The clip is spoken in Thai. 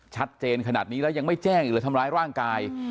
ชัดเจนขนาดนี้แล้วยังไม่แจ้งอีกหรือทำร้ายร่างกาย